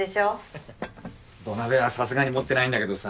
ハハ土鍋はさすがに持ってないんだけどさ。